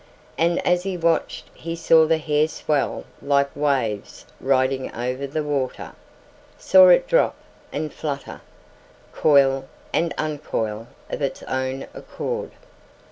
And as he watched he saw the hair swell like waves riding over the water, saw it drop and flutter, coil and uncoil of its own accord.